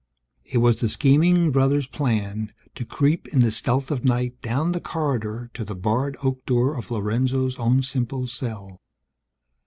It was the scheming brother's plan to creep in the stealth of night down the corridor to the barred oak door of Lorenzo's own simple cell.